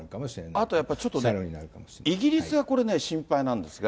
あとちょっとね、イギリスがこれね、心配なんですが。